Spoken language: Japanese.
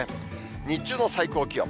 日中の最高気温。